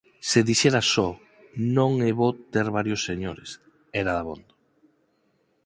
Se dixera só: “Non é bo ter varios señores”, era dabondo.